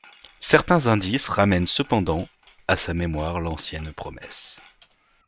Certains indices ramènent, cependant, à sa mémoire l'ancienne promesse.